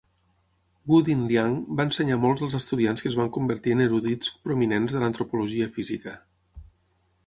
Wu Dingliang va ensenyar molts dels estudiants que es van convertir en erudits prominents de l'antropologia física.